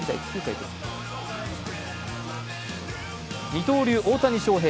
二刀流・大谷翔平。